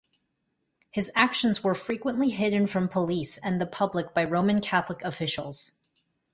His actions were frequently hidden from police and the public by Roman Catholic officials.